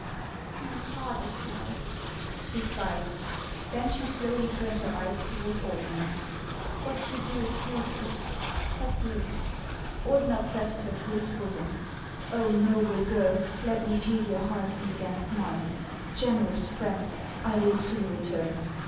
" My father's life !" she sighed. Then she slowly turned her eyes toward Ordener. " What you do is useless ; but do it." Ordener pressed her to his bosom. " Oh, noble girl, let me feel your heart beat against mine ! Generous friend ! I will soon return.